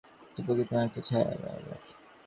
সমস্ত প্রকৃতিই মায়া, একটা ছায়া, ছায়ার আগার।